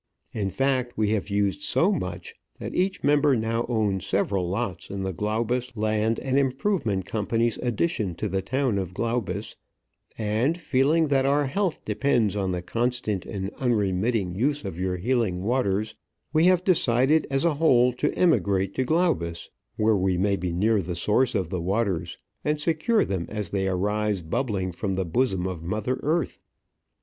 In fact, we have used so much that each member now owns several lots in the Glaubus Land and Improvement Company's Addition to the town of Glaubus; and, feeling that our health depends on the constant and unremitting use of your healing waters, we have decided as a whole to emigrate to Glaubus, where we may be near the source of the waters, and secure them as they arise bubbling from the bosom of Mother Earth.